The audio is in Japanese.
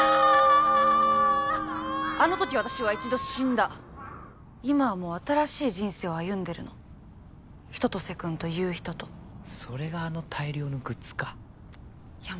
あのとき私は一度死んだ今はもう新しい人生を歩んでるの春夏秋冬君という人とそれがあの大量のグッズかいや